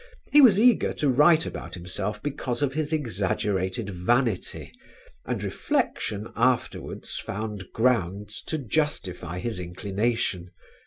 He was eager to write about himself because of his exaggerated vanity and reflection afterwards found grounds to justify his inclination.